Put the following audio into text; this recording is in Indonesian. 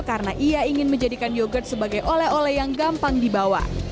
karena ia ingin menjadikan yogurt sebagai oleh oleh yang gampang dibawa